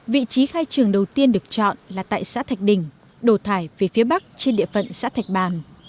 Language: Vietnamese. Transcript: vị trí khai trường đầu tiên được chọn là tại xã thạch đình đồ thải phía phía bắc trên địa phận xã thạch bàn